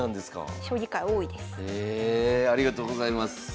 ありがとうございます。